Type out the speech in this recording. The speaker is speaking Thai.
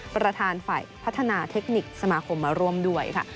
ประธานฝ่ายพัฒนาเทคนิคสมาคมมาร่วมด้วยค่ะ